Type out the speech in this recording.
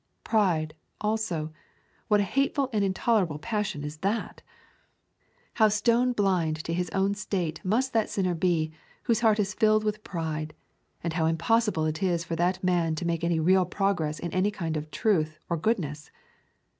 Pride, also, what a hateful and intolerable passion is that! How stone blind to his own state must that sinner be whose heart is filled with pride, and how impossible it is for that man to make any real progress in any kind of truth or goodness!